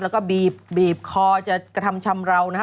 แล้วก็บีบบีบคอจะกระทำชำราวนะครับ